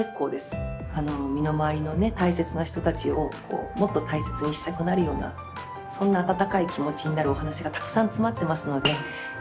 身の回りのね大切な人たちをもっと大切にしたくなるようなそんな温かい気持ちになるお話がたくさん詰まってますので是非ご期待下さい。